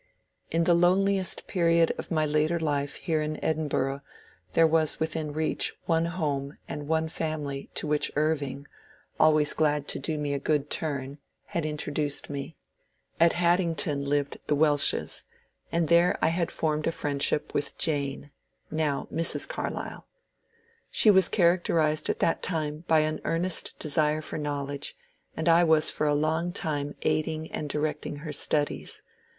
In the loneliest period of my later life here in Edinburgh there was within reach one home and one family to which Irving, always glad to do me a good turn, had introduced me. At Haddington lived the Welshes, and there I bad formed a friendship with Jane — now Mrs. Carlyle. She was characterized at that time by an earnest desire for knowledge, and I was for a long time aiding and directing her studies.